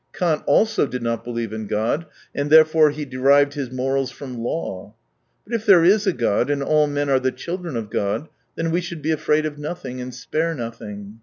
Kant also did not believe in God, and therefore he derived his morals from " Law." But if there is God, and all men are the children of God, then we should be afraid of nothing and spare nothing.